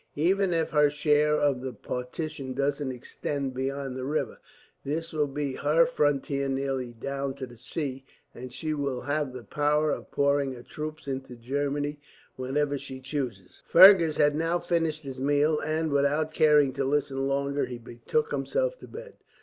Even if her share of the partition doesn't extend beyond the river, this will be her frontier nearly down to the sea; and she will have the power of pouring her troops into Germany, whenever she chooses." Fergus had now finished his meal, and without caring to listen longer he betook himself to bed.